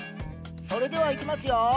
それではいきますよ。